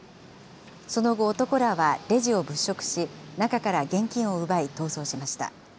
その後、男らはレジを物色し、中から現金を奪い、逃走しました。